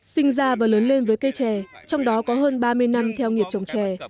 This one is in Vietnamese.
sinh ra và lớn lên với cây chè trong đó có hơn ba mươi năm theo nghiệp trồng chè